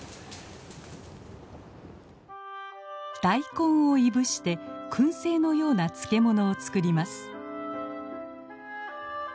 大根をいぶしてくん製のような漬け物を作ります。